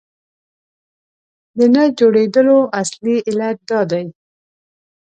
د نه جوړېدلو اصلي علت دا دی.